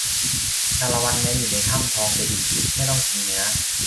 ชาละวันแม้อยู่ในถ้ำทองจะอิ่มทิพย์ไม่ต้องกินเนื้อ